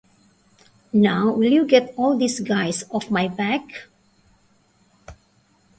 Now will you get all these guys off my back?